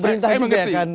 betul saya mengerti